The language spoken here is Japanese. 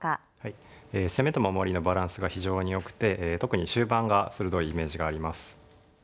攻めと守りのバランスが非常によくて特に終盤が鋭いイメージがあります。